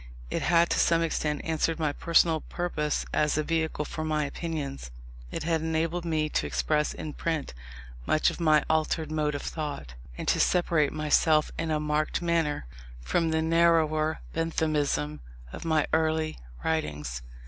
It had to some extent answered my personal purpose as a vehicle for my opinions. It had enabled me to express in print much of my altered mode of thought, and to separate myself in a marked manner from the narrower Benthamism of my early writings.